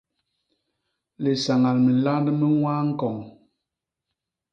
Lisañal minland mi ñwaa ñkoñ.